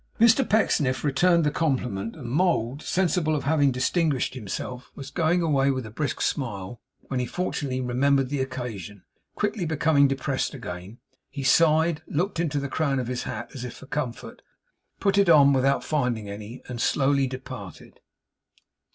Mr Pecksniff returned the compliment; and Mould, sensible of having distinguished himself, was going away with a brisk smile, when he fortunately remembered the occasion. Quickly becoming depressed again, he sighed; looked into the crown of his hat, as if for comfort; put it on without finding any; and slowly departed.